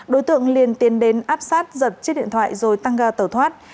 đối tượng liền tiến đến áp sát giật chiếc điện thoại rồi tăng ga tẩu thoát